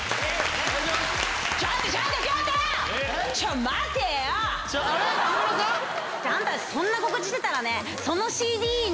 あんたたちそんな告知してたらＣＤに。